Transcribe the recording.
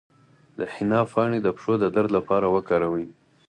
د حنا پاڼې د پښو د درد لپاره وکاروئ